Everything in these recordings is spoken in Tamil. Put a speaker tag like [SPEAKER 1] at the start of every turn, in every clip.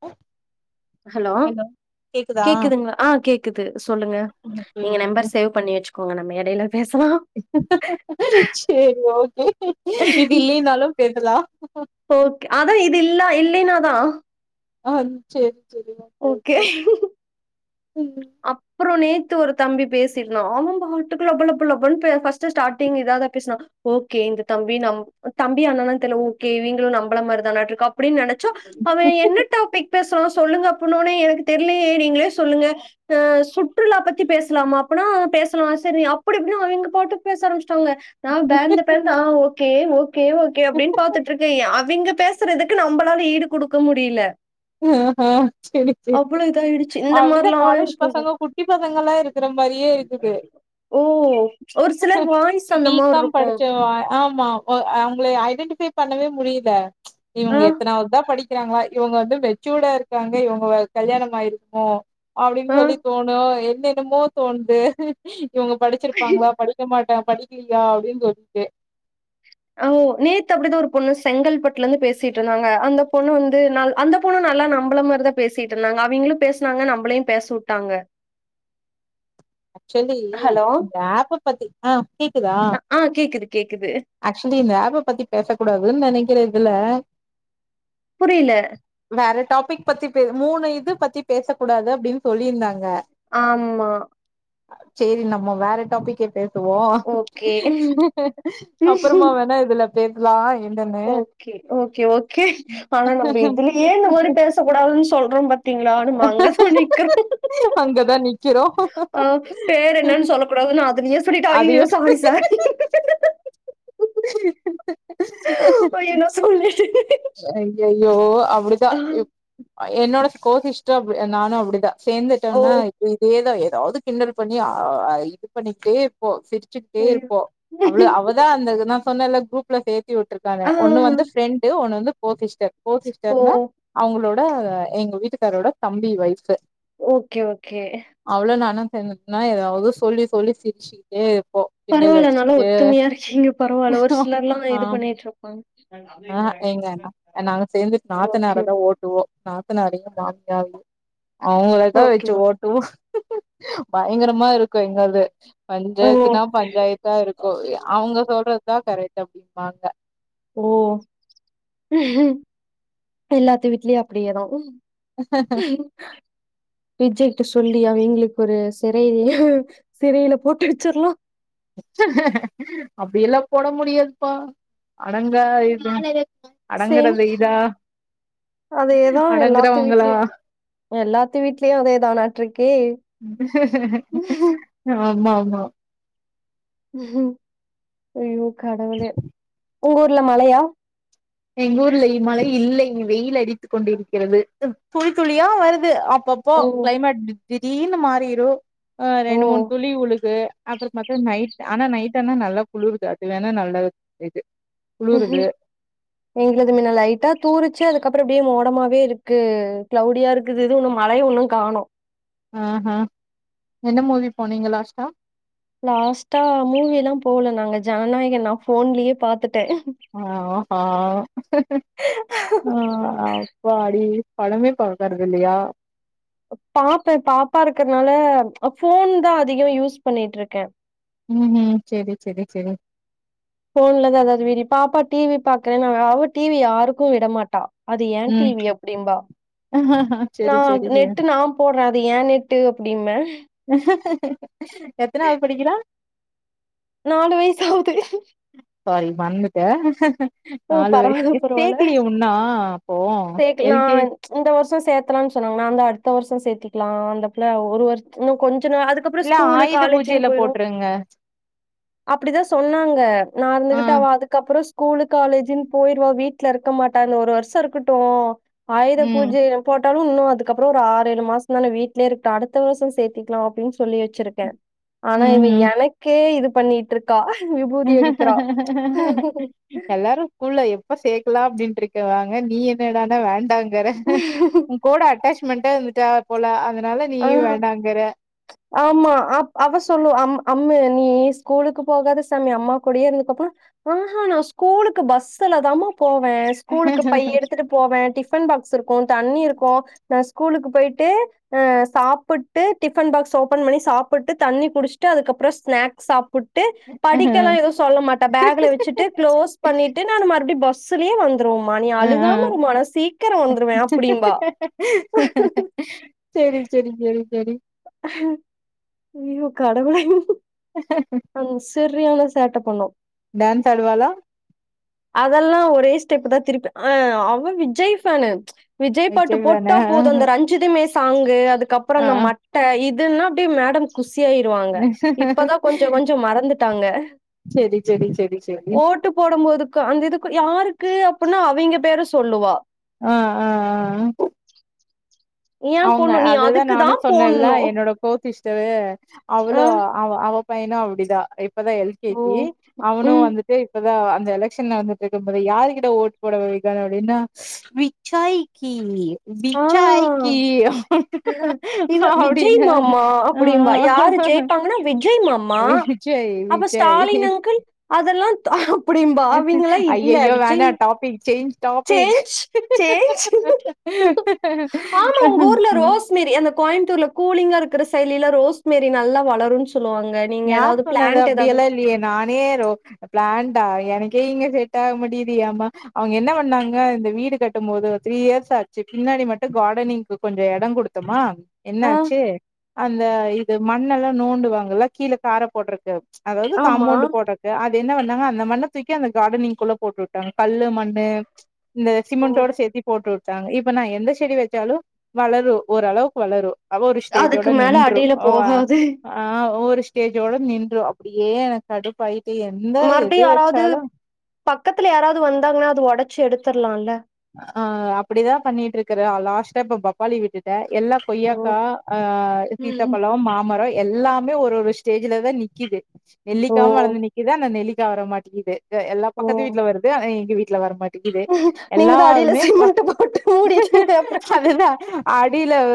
[SPEAKER 1] அ
[SPEAKER 2] ஹலோ கேக்குதுங்ளா ஆ கேக்குது சொல்லுங்க நீங்க நம்பர் சேவ் பண்ணி வச்சுக்கோங்க நம்ம எடையில பேசலாம்
[SPEAKER 1] செரி ஓகே இது இல்லேன்னாலும் பேசலாம்
[SPEAKER 2] ஓகே அதான் இது இல்லா இல்லேன்னாதா
[SPEAKER 1] ஆன் செரி
[SPEAKER 2] ஓகே
[SPEAKER 1] ம்.
[SPEAKER 2] அப்புறோ நேத் து ஒரு தம்பி பேசிருந்தா அவன் பாட்டுக்கு லப லப லபன் பே பர்ஸ்ட் ஸ்டார்டிங் இதாதா பேசுனா ஓகே இந்த தம்பி நம் தம்பி அண்ணனான் தெர்ல ஓகேவீங்களு நம்பள மாரி தானாட்ருக்கு அப்டின் நெனச் சோ அவன் என்ன டாபிக் பேசுறான் சொல்லுங்க அப்புன்னோனயே எனக்கு தெர்லயே நீங்களே சொல்லுங்க அ சுற்றுலா பத்தி பேசலாமா அப்பன்னா பேசலா சரி அப்டி எப்டின்னா அவிங்க பாட்டு பேச ஆரம்பிச்ட்டாங்க நான் பேந்த பேந்த அ ஓகே ஓகே ஓகே அப்டின் பாத்துட் இருக்கேன் அவிங்க பேசுறதுக்கு நம்பளால ஈடு குடுக்க முடியில
[SPEAKER 1] அ ஹ செரி செரி
[SPEAKER 2] இதாயிடுச்சு இந்த மாரிலா
[SPEAKER 1] அப்டிதான் காலேஜ் பசங்க
[SPEAKER 2] போகும்.
[SPEAKER 1] குட்டி பசங்கல்லா இருக்குற மாரியே இருக்குது
[SPEAKER 2] ஓ ஒரு சிலர் வாய்ஸ் அந்த
[SPEAKER 1] பீ காம்
[SPEAKER 2] மார்ருக்கு.
[SPEAKER 1] படிச்ச ஆமா அவங்களய ஐடென்டிஃபை பண்ணவே முடியில
[SPEAKER 2] ஆ
[SPEAKER 1] இவுங்க எத்தனாவது தான் படிக்கிறாங்களா இவுங்க வந்து வெச்சூடா இருக்காங்க இவுங்க வ கல்யாணம் ஆயிருக்கும் அப்டின்
[SPEAKER 2] ஆ
[SPEAKER 1] சொல்லி தோணும் என்னன்னமோ தோண்து இவுங்க படிச்சிருப்பாங்ளா படிக்க மாட்டா படி லியா அப்டின் தோன்து
[SPEAKER 2] நேத்து அப்படிதான் ஒரு பொண்ணு செங்கல்பட்டுல இருந்து பேசிட்டு இருந்தாங்க அந்த பொண்ணு வந்து அந்த பொண்ணு நல்லா நம்மள மாதிரி தான் பேசிட்டு இருந்தாங்க அவிங்களும் பேசனாங்க நம்மளையும் பேச விட்டாங்க [inaudible]
[SPEAKER 1] ஆக்சுவலி இந்த ஆப்ப பத்தி ஆஹ் கேக்குதா
[SPEAKER 2] ஆ கேக்குது கேக்குது.
[SPEAKER 1] ஆக்சுவலி இந்த ஆப்பை பத்தி பேசக் கூடாதுன்னு நினைக்கிற இல்ல
[SPEAKER 2] புரியல.
[SPEAKER 1] வேற டாபிக் பத்தி பேச மூணு இது பத்தி பேச கூடாது அப்படின்னு சொல்லியிருந்தாங்க
[SPEAKER 2] ஆமா
[SPEAKER 1] சரி நம்ம வேற டாபிக்கே பேச வம்
[SPEAKER 2] ஓகே.
[SPEAKER 1] அப்புறமா வேணா இதுல பேசலாம்
[SPEAKER 2] ஓகே ஓகே ஓகே ஆனா நம்ம இதுல ஏன் இந்த மாதிரி பேச கூடாதுன்னு சொல்றோம் பாத்தி ங்க திக்கிறோம்
[SPEAKER 1] அங்கதா நிக்கிறோ
[SPEAKER 2] [unintelligible] பேர் என்னான்னு சொல்ல கூடாது அதுலயே
[SPEAKER 1] அது
[SPEAKER 2] சொல்லிட்டாங்க சாரி சார்
[SPEAKER 1] அய
[SPEAKER 2] ஐயோ! நான் சொல்லிட்டேனே.
[SPEAKER 1] [unintelligible] யோ
[SPEAKER 2] ஆ,
[SPEAKER 1] அப்படிதான் என்னோட கோவிஸ்டாஃப் அ நானும் அப்படிதான்
[SPEAKER 2] ஓ!
[SPEAKER 1] சேர்ந்துட்டோம்னா இப்ப இதேதான் ஏதாவது கிண்டல் பண்ணி இது பண்ணிட்டே இருப்போ டே
[SPEAKER 2] ஐயோ!
[SPEAKER 1] இருப்போம் அவ்ளவு அவதான் அந்த நான் சொன்னேல்ல குரூப்ல சேர்த் விட்டிருக்காங்க
[SPEAKER 2] ஆ.
[SPEAKER 1] ஒண்ணுவந்து பிரெண்டு் ஒண்ணு வந்து கோ சிஸ்டர் கோ
[SPEAKER 2] ஓ!
[SPEAKER 1] சிஸர்னா அவங்களோட எங்க வீட்டுக்காரோட தம்பி வைஃப்
[SPEAKER 2] ஓகே ஓகே
[SPEAKER 1] என்னென்னா ஏதாவது சொல்லி சொல்லி சிரிச்சுக்கிட்டே இருப்
[SPEAKER 2] பரவாயில்ல நல்லா ஒத்துமையா இருக்கீங்க பரவாயில்ல ஒரு சிலரெல்லா இது பண்ணிட்டு இருப்பாங்க
[SPEAKER 1] ஆஹா ஏங்க நா நாங்க சேர்ந்து நாத்தனார
[SPEAKER 2] ஓகே,
[SPEAKER 1] தா ஓட்டுவோம் நா நாத்தனாரு மாமியாவ அவங்களதா
[SPEAKER 2] ஓகே.
[SPEAKER 1] வச்சு ஓட்டுவோ பயங்கரமா இருக்கு எங்களுது
[SPEAKER 2] ஓ
[SPEAKER 1] பஞ்சாயத்துனா பஞ்சாயத்தா இருக்கு அவங்க சொல்றதுதா கரெக்ட் அப்டிபாங்க
[SPEAKER 2] ஓ எல்லாத்து வீட்லயும் அப்படியேதா
[SPEAKER 1] ஹ ஹ
[SPEAKER 2] விஜய்ட்ட சொல்லி அவ எங்களுக்கு ஒரு சிறை சிறையில போட்டு வச்சர்லா
[SPEAKER 1] அப்படியெல்லா போட முடியாதுப்பா அடங்கா இது
[SPEAKER 2] சேம்
[SPEAKER 1] அடங்குறது இதா
[SPEAKER 2] அதேதா எல்லாத்து
[SPEAKER 1] அடங்குறவங்களா
[SPEAKER 2] வீட்லயும் எல்லாத்து வீடலயும் அதேதானாட்டுருக்கே
[SPEAKER 1] ஆமா ஆமா
[SPEAKER 2] அய்யோ கடவுளே உங்க ஊர்ல மழையா
[SPEAKER 1] எங்க ஊர்ல மழை இல்லை வெயில் அடித்து கொண்டு இருக்கிறது துளி துளியா வருது அப்பப்போ
[SPEAKER 2] ஓ
[SPEAKER 1] கிளைமேட் திடீர்னு மாறிரு ஆ
[SPEAKER 2] ஓ
[SPEAKER 1] ரெண்டு மூண் துளி விழுகு அப்றோ பாத்த நைட் ஆனா நைட் ஆனா நல்லா குளிருது அது வேணா நல்லா தெது குளிருது
[SPEAKER 2] எங்களதுல லைட்டா தூருச்சு அதுக்கப்றோ அப்படியே மோடமாவே இருக்கு கிளவுடியா இருக்குது இது இன்னும் மழைக இன்னும் காணோம்
[SPEAKER 1] ம்ம்ஹு என்னா மூவி போனீங்க லாஸ்ட்டா
[SPEAKER 2] லாஸ்ட்டா மூவி எல்லா போகல நாங்க ஜனநாயகன் நா போன்லயே பாத்துட்
[SPEAKER 1] ஆ ஹா அப்பாடி படமே பாக்கறது இல்லயா
[SPEAKER 2] பாப்பேன் பாப்பா இருக்கிறதுனால போன் தா அதிகோ யூஸ் பண்ணிட்டு இருக்கே
[SPEAKER 1] உம் ஹும் செரி செரி செரி
[SPEAKER 2] போன்லதா எதாவது வீடியோப பாப்பா டிவி பாக்குறே நா அவ டிவி யாருக்கு விடமாட்டா அது ஏன்
[SPEAKER 1] ம்
[SPEAKER 2] டிவி அப்டிம்பா நா
[SPEAKER 1] செரி செரி செரி
[SPEAKER 2] நெட்டு நா போடுற அது ஏநெட்டு அப்டிம்பே
[SPEAKER 1] எத்தனாவது படிக்கிறா
[SPEAKER 2] நாலு வய்சு ஆவுது
[SPEAKER 1] சாரி மறந்துட்டே
[SPEAKER 2] ஓ
[SPEAKER 1] நாலு
[SPEAKER 2] பரவால்ல
[SPEAKER 1] வயசு
[SPEAKER 2] பரவால்ல
[SPEAKER 1] சேக்கலையே உன்னா அப்போ
[SPEAKER 2] சேக்கலா
[SPEAKER 1] எல் கே
[SPEAKER 2] அ இந்த வருஷோ சேத்தலாம்னு சொன்னாங்க நான் தா அந்த அடுத்த வருஷோ சேர்த்திக்கலா அந்தப்புள்ள ஒரு வருஷத் இன்னு கொஞ்சோ னு அதுக்கப்றோ
[SPEAKER 1] இல்ல
[SPEAKER 2] ஸ்கூலு
[SPEAKER 1] ஆயுத
[SPEAKER 2] காலேஜ்ன்
[SPEAKER 1] பூஜையில
[SPEAKER 2] போய்ரு
[SPEAKER 1] போட்ருங்க
[SPEAKER 2] அப்பிடிதா சொன்னாங்க நா இருந்துகிட்டு
[SPEAKER 1] ஆ
[SPEAKER 2] அவ அதுக்கப்புறோ ஸ்கூ ஸ்கூலு காலேஜுன் போயிருவா வீட்ல இருக்க மாட்டா இந்த ஒரு வருஷோ இருக்கட்டு ஆயுத
[SPEAKER 1] ம்.
[SPEAKER 2] பூஜை போட் போட்டாலு இன்னு அதுக்கப்புறோ ஒரு ஆறு ஏழு மாச தானே வீட்லயே இருக்கட்டு அடுத்த வருஷம் சேத்திக்கலா அப்டின்னு சொல்லி வெச்சிருக்கே ஆனா இவ
[SPEAKER 1] ம்ஹ்ம்.
[SPEAKER 2] எனக்கே இது பண்ணிட்டு இருக்கா விபூதி அடிக்கிறா
[SPEAKER 1] எல்லாரு ஸ்கூல்ல எப்ப சேக்கலா அப்டின்டு இருக்குவாங்க நீ என்னடானா வேண் டாங்கற உங் கூட அட்டாச்மெண்ட இருந்துட்டா போல அத அதனால நீயு
[SPEAKER 2] ஆ
[SPEAKER 1] வேண்டாங்கற
[SPEAKER 2] ஆமா அவ சொல்லுவ அ அம்மு நீ ஸ்கூலுக்கு போகாத சாமி அம்மா கூடேயே இருந்துகோ அப்டின்னா அஹா நா ஸ்கூலுக்கு பஸ்சுலதாம போவே ஸ்கூலுக்கு பைய எடுத்துட்டு போவே டிஃபன் பாக்ஸ் இருக்கு தண்ணி இருக்கு நா ஸ்கூலுக்கு போயிட்டு சாப்பிட்டு டிபன் பாக்ஸ் ஓப்பன் பண்ணி சாப்புட்டு தண்ணி குடிச்சட்டு அதுக்கப்புறோ ஸ்நாக்ஸ் சாப்பிட் ட்டு படிக்கலா எதுவு சொல்ல மாட்டே பேக்ல வெச்சுட்டு க்ளோஸ் பண்ணிட்டு நானு மறுபுடியு பஸ்லயே வந் வந்துருவமா நீ
[SPEAKER 1] ஆ, ஆ.
[SPEAKER 2] அழுகாம இருமா நா சீக்கிரோ வந்துருவே அப்டிம்பா
[SPEAKER 1] செரி செரி செரி
[SPEAKER 2] அய்யோ கடவுளே பொண்ணு சரியான சேட்ட பண்ணு
[SPEAKER 1] டான்ஸ் ஆடுவாளா
[SPEAKER 2] அதெல்லா ஒரே ஸ்டெப்புதா திருப்பி அ அவ விஜய் ஃபேனு விஜய் பாட்டு போட்டா போது அந்த ரஞ்சிதமே சாங்கு அதுக்கப்புற
[SPEAKER 1] ஆ.
[SPEAKER 2] இந்த மட்ட இது இதுன்னா அப்டியே மேடம் குசியாயிருவாங்க இப்பதா கொஞ்சோ கொஞ்சோ மறந்துட்டாங்க
[SPEAKER 1] செரி செரி செரி செரி
[SPEAKER 2] ஓட்டு போடும்போதுக்கு அந்த இதுக்கு யாருக்கு அப்டின்னா அவிங்க பேர சொல்லுவா
[SPEAKER 1] அ அ அ
[SPEAKER 2] ஏன்
[SPEAKER 1] அவுங்க
[SPEAKER 2] போடணும் நீ
[SPEAKER 1] அததா
[SPEAKER 2] அதுக்கு
[SPEAKER 1] நானு
[SPEAKER 2] தான்
[SPEAKER 1] சொன்னேன்ல
[SPEAKER 2] போடணும்
[SPEAKER 1] என்னோட கோசிஸ்டரு
[SPEAKER 2] ஆ
[SPEAKER 1] அவ்ளோ அவ அவ பையனு அப்டிதா இப்பதா எல் கே
[SPEAKER 2] ஓ
[SPEAKER 1] ஜி அவனு
[SPEAKER 2] ம்
[SPEAKER 1] வந்துட்டு இப்ப அந்த எலெக்க்ஷன் நடந்திட்டு இருக்கும்போது யாருகிட்ட ஓட் போட போவ அப்டின்னா விஜய்க்கி
[SPEAKER 2] ஆ
[SPEAKER 1] விஜய்
[SPEAKER 2] இவ விஜய்
[SPEAKER 1] அப்டின்னு
[SPEAKER 2] மாமா
[SPEAKER 1] ஆ
[SPEAKER 2] அப்டிம்பா யாரு ஜெயிப்பாங்கன்னா விஜய் மாமா
[SPEAKER 1] விஜய்
[SPEAKER 2] அப்ப
[SPEAKER 1] விஜய்
[SPEAKER 2] ஸ்டாலின் அங்கிள் அதெல்லா தா அப்டிம்பா அவிங்களா இல்ல
[SPEAKER 1] ஐயோ
[SPEAKER 2] விஜய்
[SPEAKER 1] வேணா topic change topic
[SPEAKER 2] change change
[SPEAKER 1] ம்
[SPEAKER 2] கோயம்பத்தூர்ல கூலிங்கா இருக்குற சைட்லலா ரோஸ்மேரி நல்லா வளரும் செல்
[SPEAKER 1] யார் சொன்னது அப்டியெல்லா இல்லியே நானே ரோ பிளான்டா எனக்கு இங்க செட் ஆக மாட்டிது ஏமா அவுங்க என்ன பண்ணாங்க இந்த வீடு கட்டும் போது த்ரீ இயர்ஸ் ஆச்சு பின்ன னாடி மட்டு கார்டனிங்க்கு கொஞ்சோ எடம் குடுத்தமா
[SPEAKER 2] ஆ
[SPEAKER 1] என்னாச்சு அந்த இது மண்ணெல்லா நோண்டுவாங்கல்ல கீழ கார போட்ரக்கு அதாவ்து
[SPEAKER 2] ஆமா.
[SPEAKER 1] காம்மோண்டு் போட்றக்கு அது என்ன பண்ணாங்க அந்த மண்ண தூக்கி அந்த கார்டனிங்குள்ள போட்டு விட்டாங்க கல்லு மண்ணு இந்த
[SPEAKER 2] ஓ!
[SPEAKER 1] சிமிண்டோட சேத்தி போட்டுவு டாங்க இப்ப நா எந்த செடி வெச்சாலு வளரு ஓரளவுக்கு வளரு அவ ஒரு
[SPEAKER 2] அதுக்கு
[SPEAKER 1] ஸ்டேஜோட
[SPEAKER 2] மேல
[SPEAKER 1] நின்று
[SPEAKER 2] அடியில
[SPEAKER 1] அவ
[SPEAKER 2] போகாது.
[SPEAKER 1] அ ஒவ்வொரு ஸ்டேஜோட நின்று அப்டியே எனக்கு கடுப்பாயிட்டு எந்த எது
[SPEAKER 2] மறுபடியும் யாராவது
[SPEAKER 1] வெச்சாலு
[SPEAKER 2] பக்கத்துல யாராவது வந்தாங்கன்னா அது ஒடச்
[SPEAKER 1] அ அப்பிடிதா பண்ணிட்டு இருக்கிறே லாஸ்ட்டா இப்ப பப்பாளி விட்டுட்டே எல்லா
[SPEAKER 2] ஓ!
[SPEAKER 1] கொய்யாக்கா அ சீத்தாப்பழம் மாமரம் எல்லாமே ஒரு ஒரு ஸ்டேஜ்லதா நிக்குது
[SPEAKER 2] ஓ!
[SPEAKER 1] நெல்லிக்காவு வளர்ந்து நிக்குது ஆனா நெல்லிக்கா வர மாட்டிங்கிது எல்லா
[SPEAKER 2] ஓ!
[SPEAKER 1] பக்கத்து வீட்டுல வருது ஆனா எங்க வீட்டுல வரமாட் ங்குது
[SPEAKER 2] நீங்க தான் அடியில
[SPEAKER 1] எல்லாமே ப
[SPEAKER 2] சிமெண்ட் போட்டு மூடிட்டீங்க அப்புறம் எப்படி?
[SPEAKER 1] அதுதா அடி இல்ல வ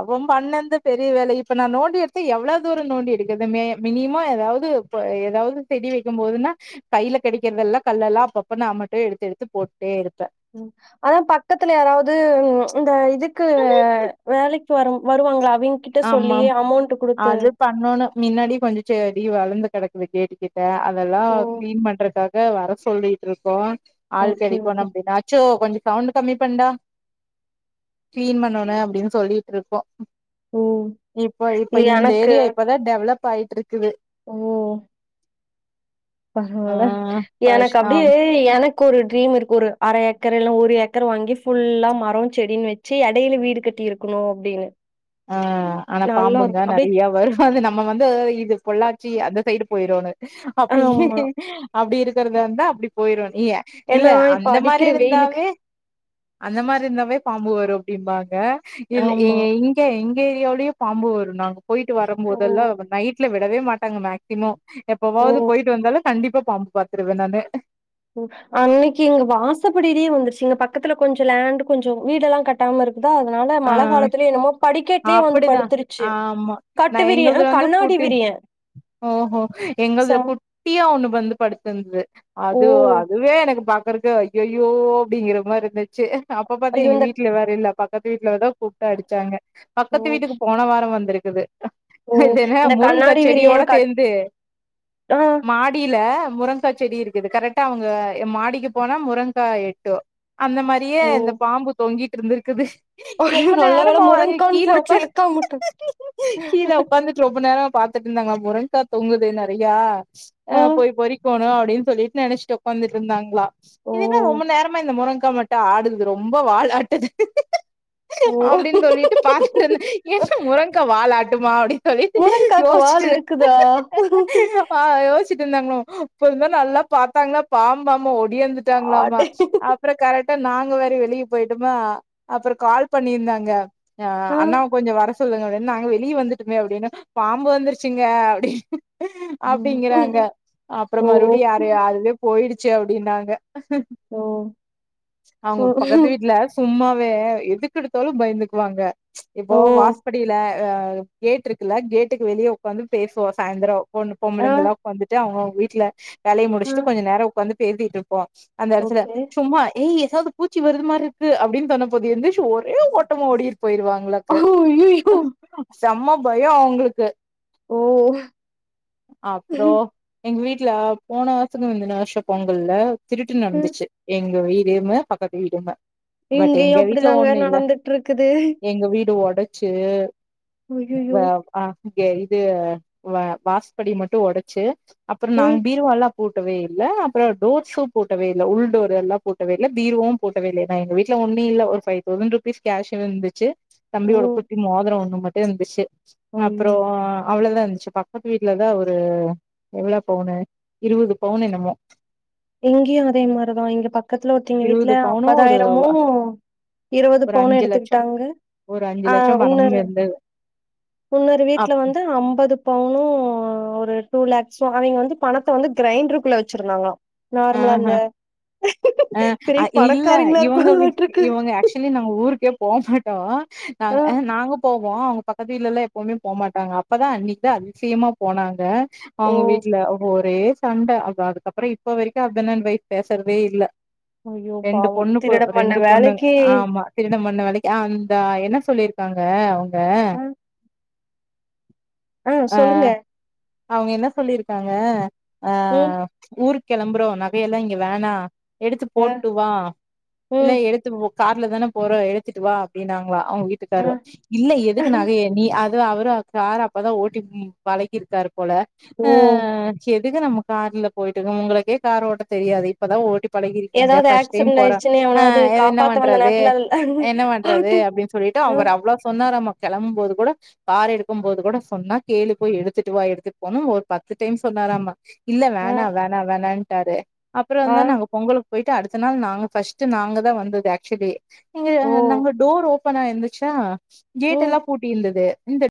[SPEAKER 1] அவ பண்ண அந்த பெரிய வேலை இப்ப நா நோண்டி எடுத்த எவ்ளோ தூர நோண்டி எடுக்குது மே மினி யிமா எதாவ்து போ எதாவ்து செடி வக்கிம்போதுனா கையில கிடைக்குறதெல்லா கல்லெல்லா அப்பப்ப நா மட்டும் எடுத்து எடுத்து டு போட்டே இரு
[SPEAKER 2] அதா பக்கத்துல யாராவ்து இந்த இதுக்கு வேலைக் வரும் வருவாங்களா அவங்ககிட்ட
[SPEAKER 1] ஆமா
[SPEAKER 2] சொல்லி அமௌண்ட் குடுத்து
[SPEAKER 1] அது பண்ணன்னு முன்னாடி கொஞ்ச செடி வளந்து கிடக்குது கேடிகெட் அதெல்லா
[SPEAKER 2] ஓ
[SPEAKER 1] கிளீன் பண்றக்காக வர சொல்லிட்டு இருக்கோ ஆள்
[SPEAKER 2] ஓகே
[SPEAKER 1] கிடைக்கும்
[SPEAKER 2] ஓகே
[SPEAKER 1] நம்புனாச்சோ கொஞ்ச சவுண்ட் கம்மி பண்டா கிளீன் பண்ணனு அப்டின்னு சொல்லிட்டு இருக்கோ
[SPEAKER 2] ம்
[SPEAKER 1] இப்ப இப்ப இந்த
[SPEAKER 2] எனக்கு
[SPEAKER 1] ஏரியா இப்பதா டெவலப் ஆயிட்டு இருக்குது
[SPEAKER 2] ஓ
[SPEAKER 1] ஆ
[SPEAKER 2] பரவால
[SPEAKER 1] பஷ்
[SPEAKER 2] எனக்கு
[SPEAKER 1] ஆம்
[SPEAKER 2] அப்டியே எனக்கு ஒரு ட்ரீம் இருக்கு ஒரு அர ஏக் ஏக்கர் இல்ல ஒரு ஏக்கர் வாங்கி ஃபுல்லா மரம் செடின்னு வச்சு இடையில வீடு கட்டி இருக்கணு அப்டின்னு
[SPEAKER 1] ஆ ஆனா
[SPEAKER 2] நல்லா
[SPEAKER 1] பாம்புங்களா
[SPEAKER 2] இருக்கும் அப்டியே
[SPEAKER 1] நிறைய வரும் அது நம்ம வந்து இது பொள்ளாச்சி அந்த சைடு போயிருனு அப்டி
[SPEAKER 2] ஆமா
[SPEAKER 1] அப்டி இருக்குறது வந்தா அப்டி போயிரும் ஏ இல்ல
[SPEAKER 2] ஏன்னா இப்ப
[SPEAKER 1] அந்த மாரி
[SPEAKER 2] அடிக்கிற வெயிலுக்கு
[SPEAKER 1] இருந்தாவே அந்த மாரி இருந்தாவே பாம்பு வரும் அப்டிம்பாங்க இல்ல ஏ
[SPEAKER 2] ஆமா
[SPEAKER 1] எங்க ஏரியாவுலயும் பாம்பு வரும் நாங்க போயிட்டு வரும்
[SPEAKER 2] ஓ
[SPEAKER 1] போதெல்லாம் நைட்ல விடவே மாட்டாங்க மேக்சிமம்
[SPEAKER 2] ஓ
[SPEAKER 1] எப்பவாவது போயிட்டு வந்தாலும் கண்டிப்பா பாம்பு பாத்துருவேன் நானு
[SPEAKER 2] அன்னைக்கு இங்க வாசப்படியிட்டே வந்துருச்சு இங்க பக்கத்துல கொஞ்சோ லேண்ட் கொஞ்சம் வீடெல்லாம் கட்டாம இருக் தா அதனால
[SPEAKER 1] ஆ
[SPEAKER 2] மழ காலத்திலயோ என்னமோ படிக்கட்டுலயே வந்து
[SPEAKER 1] அப்படிதான்
[SPEAKER 2] படுத்துருச்சு
[SPEAKER 1] ஆமா
[SPEAKER 2] கட்டுவிரிய அ கண்ணாடிப் விரிய
[SPEAKER 1] ஓ ஒ எங்களதுல குட்டியா ஒண்ணு வந்து படுத்திருந்தது
[SPEAKER 2] ஓ
[SPEAKER 1] அது அதுவே எனக்கு பாக்குறது ஐயைய்யோ அப்டிங்கிற மாதிரி இருந்துச்சு அப்ப பாரத்து
[SPEAKER 2] ஐயோ
[SPEAKER 1] எங்க
[SPEAKER 2] இந்த
[SPEAKER 1] வீட்டுல வேற இல்ல பக்கத்து வீட்டுல வதா கூப்பிட்டு அடிச்சாங்க
[SPEAKER 2] ஓ
[SPEAKER 1] பக்கத்து வீட்டுக்கு போன வாரம் வந்தருக்கு ஆ
[SPEAKER 2] ஓ
[SPEAKER 1] அது என்ன
[SPEAKER 2] இந்த
[SPEAKER 1] முருங்கா
[SPEAKER 2] கண்ணாடி
[SPEAKER 1] செடியோட
[SPEAKER 2] விரியன் கட்
[SPEAKER 1] சேர்ந்து
[SPEAKER 2] ஆ
[SPEAKER 1] மாடியில முருங்கா செடி இருக்குது கரெக்டா அவங்க மாடிக்கு போனா முருங்கா எட்டும் அந்த மாதிரியே
[SPEAKER 2] ஓ
[SPEAKER 1] இந்த பாம்பு தொங்கிட்டு இருந்திருக்குது
[SPEAKER 2] ஐயோ
[SPEAKER 1] ரொம்ப
[SPEAKER 2] நல்ல வேள
[SPEAKER 1] நேரமா அது
[SPEAKER 2] முருங்கான்னு
[SPEAKER 1] கீழ
[SPEAKER 2] புடிச்சு
[SPEAKER 1] ஒக்காந்
[SPEAKER 2] இழுக்காமவுட்ட
[SPEAKER 1] கீழ ஒக்காந்துட்டு ரொம்ப நேரம் பாத் துட்டு இருந்தாங்க ஆ முருங்கா தொங்குதே நறையா ஆ போய் பொறிக்கோணோ அப்டின்னு சொல்லிட்டு நெனைச்சிட்டு ஒக்காந்துட்டு இருந்தாங்களா
[SPEAKER 2] ஓ
[SPEAKER 1] இதுன்னா ரொம்ப நேரமா இந்த முருங் க்கா மட்டா ஆடுது ரொம்ப வாலாட்டுது
[SPEAKER 2] ஓ
[SPEAKER 1] அப்டின்னு சொல்ட்டு பாத்துட்டு இருந்தேன் என்ன முருங்கா வாலாட்டுமா அப்டின் ல்லி
[SPEAKER 2] முருங்காக்கு வால்
[SPEAKER 1] யோயிச்சு
[SPEAKER 2] இருக்குதா?
[SPEAKER 1] ஆ யோஸ் சிட்டு இருந்தாங்களாமா அப்றோதான் நல்லா பாத்தாங்களா பாம்பாமா ஒடியாந்துட்டாங்களாம
[SPEAKER 2] அடே
[SPEAKER 1] அப்பறம் கரெக் நாங்க வேர வெளிய போயிட்டோமா அப்பறம் கால் பண்ணியிருந்தாங்க
[SPEAKER 2] ஆ
[SPEAKER 1] அண்ணாவ கொஞ்ச வர சொல்லுங்கன்னு நாங்க வெளியே வந்துட்டுமே அப்டின்னு பாம்பு வந்துருச்சிங்க அப்டின் அப்பிடிங்கறாங்க
[SPEAKER 2] ம்
[SPEAKER 1] அப்பறம்
[SPEAKER 2] ஓ
[SPEAKER 1] மறுபடியும் யார அதுவே போயிடுச்சு அப்டின்னாங்க
[SPEAKER 2] ஓ
[SPEAKER 1] அவுங்க பக்கத்து
[SPEAKER 2] ம்
[SPEAKER 1] வீட்ல சும்மாவே இ எதுக்கெடுத்தாலும் பயந்துக்குவாங்க இப்போ
[SPEAKER 2] ஓ
[SPEAKER 1] வாஸ்படியில ஆ கேட் இருக்குல்ல கேட்டுக்கு வெளியே ஒக்காந்து பேசுவோம் சாயந்தரம் பொண்ணு
[SPEAKER 2] ஆ
[SPEAKER 1] பொம்பளைங்கெல்லாம் ஒக்காந்துட்டு அவுங்கவுங்க வீட்ல வேலைய
[SPEAKER 2] ஆ
[SPEAKER 1] முடிச்சுட்டு கொஞ்சம் நேரம் ஒக்காந்து பேசிட்டிருப்போம் அந்த எடத்துல
[SPEAKER 2] ஓகே
[SPEAKER 1] சும்மா ஏய் ஹே அது பூச்சி வருது மாரி இருக்கு அப்டின்னு சொன்ன போதும் எந்திருச்சி ஒரே ஓட்டமா ஓடிரு போயிருவாங்களாக்கு
[SPEAKER 2] அய்யய்யோ
[SPEAKER 1] செம்ம பயம் அவுங்களுக்கு
[SPEAKER 2] ஓ
[SPEAKER 1] அப்பறம் எங்க வீட் ல போன வருஷோத்து முந்தின வருஷோ பொங்கல்ல திருட்டு நடந்துச்சி எங்க வீட் கேமு பக்கத்து வீடுந்தா
[SPEAKER 2] இங்கேயு அப்டிதாங்க வேல நடந்துட்டுருக்குது
[SPEAKER 1] எங்க வீடு ஒடச்சி வ அ இது இது வ வாசபடி மட்டு‌ ஒடச்சி அப்புறோ‌ நாங்க
[SPEAKER 2] ம்
[SPEAKER 1] பீரோவால்லா பூட்டவே இல்ல அப்புறோ டோர்ஸும் பூட்டவே இல்ல உள்டோர் எல்லா பூட்டவே இல்ல பீரோவும் பூட்டவே இல்ல நா எங்க வீட்டுல உண்டில்ல ஒரு பைவ் தௌசண்ட் ருபீஸ் கேஷ் இருந்துச்சி
[SPEAKER 2] ஓ
[SPEAKER 1] தம்பியோட குட்டி மோதிர ஒண்ணு மட்டு இருந்துச்சி அப்புறோ
[SPEAKER 2] ஐயோ
[SPEAKER 1] அவ்வளோதா இருந்துச்சி பக்கத்து வீட்டுலதா ஒரு எவ்ளோ பவுனு இருவது பவுனு என்னமோ
[SPEAKER 2] இங்கியு அதே மாரிதா இங்க பக்கத்துல ஒருத்தைங்க வீட்டுல
[SPEAKER 1] இருவது பவுனு ஒரு
[SPEAKER 2] ஐம்பதாயிரமு இருவது
[SPEAKER 1] ஒரு
[SPEAKER 2] பவுனு
[SPEAKER 1] அஞ்சு லட்சோ
[SPEAKER 2] எடுத்துக்கிட்டாங்க
[SPEAKER 1] ஒரு அஞ்சு
[SPEAKER 2] அ
[SPEAKER 1] லட்சோ பணமும்
[SPEAKER 2] உன்னொரு
[SPEAKER 1] இருந்தது
[SPEAKER 2] உன்னொரு வீட்டுல
[SPEAKER 1] அப்
[SPEAKER 2] வந்து அம்பது பவுனு ஒர் ரு டூலாக்ஸு அவய்ங்க வந்து பணத்த வந்து கிரைண்ருக்குள்ள வச்சிருந்தாங்களா நார்மலா அந்த
[SPEAKER 1] அ அ இல்ல இவுங்க வீட்
[SPEAKER 2] இருப்பாங்களாட்ருக்கு
[SPEAKER 1] இவுங்க ஆக்சுவலி நாங்க ஊருக் கே போமாட்டோ நாங்
[SPEAKER 2] ஆ
[SPEAKER 1] அ நாங்கப் போவோ அவுங்க பக்கத்து வீட்லல்லா எப்பவுமே போமாட்டாங்க அப்பதா அன்னிக்தா அதிசயமா போனாங்க
[SPEAKER 2] ஓ
[SPEAKER 1] அவங்க வீட்டுல ஒரே சண்ட அப்றோ அதுக்கப்புறோ இப்ப வெரிக்கு ஹஸ்பணட் அன்டு வைப் பேசுறதே இல்ல
[SPEAKER 2] ஐயோ
[SPEAKER 1] ரெண்டு
[SPEAKER 2] பாவம்
[SPEAKER 1] பொண்ணு பு
[SPEAKER 2] திருட பண்ண
[SPEAKER 1] ரெண்டு பொண்ணு
[SPEAKER 2] வேலைக்கு
[SPEAKER 1] ஆமா திரு ண பண்ண வேலைக்கு அ அந்த என்ன சொல்லியிருக்காங்க அவுங்க
[SPEAKER 2] ஆ ஆ சொல்லுங்க
[SPEAKER 1] அவுங்க என்ன சொல்லியிருக்காங்க அ
[SPEAKER 2] ம்
[SPEAKER 1] ஊருக்கெளம்புறோ நகையெல்லா இங்க வேணா எடுத்து
[SPEAKER 2] ஆ
[SPEAKER 1] போட்டு வா இல்ல
[SPEAKER 2] ம்
[SPEAKER 1] எடுத்து கார்ல தான போறோ எடுத்துட்டு வா அப்டின்னாங் ளா அவுங்க
[SPEAKER 2] ஆ
[SPEAKER 1] வீட்டுக்கரு இல்ல எதுக்கு நகைய நீ அத் து அவரு கார் அப்பதா ஓட்டி ம் பழகிருக்காரு போல
[SPEAKER 2] ஓ
[SPEAKER 1] அ செர் கெஜா நம்ம கார்ல போயிட்டுருக்கோ உங்களுக்கே கார் ஓட்ட தெரியாது இப்பதா ஓட்டிப் பழகிருக்கீங்க
[SPEAKER 2] ஏதாவது
[SPEAKER 1] ஃபஷ்ட் டைம்
[SPEAKER 2] ஆக்சிடென்ட்
[SPEAKER 1] போற
[SPEAKER 2] ஆயிருச்சுன்னு
[SPEAKER 1] அ
[SPEAKER 2] எவனாவது
[SPEAKER 1] எது என்ன
[SPEAKER 2] காப்பாத்த வந்த
[SPEAKER 1] பண்றது
[SPEAKER 2] நேரத்துல அதுல
[SPEAKER 1] என்ன பண்றது
[SPEAKER 2] பாட்டு
[SPEAKER 1] அப்டின் சொல்லிட் டு
[SPEAKER 2] ஆ
[SPEAKER 1] அவரு அவ்ளோ சொன்னாரமா கெளம்பும் போது கூட கார் எடுக்கும் போது கூட சொன்னா கேலு போய் எடுத்துட்டு வா எடுத்துட் போணும் ஒரு பத்து டைம் சொன் னாராமா இல்ல
[SPEAKER 2] ஆ
[SPEAKER 1] வேணா வேணா வேணான்ட்டாரு அப்புறந்தா
[SPEAKER 2] ஆ
[SPEAKER 1] நாங்க பொங்கலுக் போய்ட்டு அடுத்த நாள் நாங்க ஃபஷ்டு நாங்க தா வந்தது ஆக்சுவலி இங்க
[SPEAKER 2] ஓ!
[SPEAKER 1] அ நாங்க டோர் ஓப் பனா இருந்துச்சா
[SPEAKER 2] ம்.
[SPEAKER 1] கேட் எல்லா பூட்டி இருந்தது இந்த